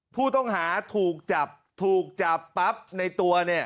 ผู้ต้องหาถูกจับถูกจับปรับในตัว